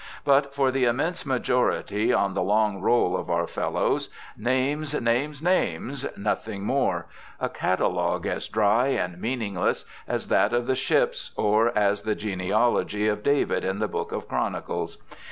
But for the immense majority on the long roll of our Fellows— names! names! names!— nothing more ; a catalogue as dr}' and meaningless as that of the ships, or as the genealogy of David in the Book of Chronicles.